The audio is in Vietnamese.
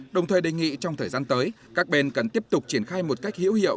đồng thời đề nghị trong thời gian tới các bên cần tiếp tục triển khai một cách hiểu hiệu